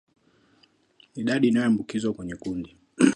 Idadi inayoambukizwa kwenye kundi